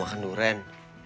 gue mau makan durian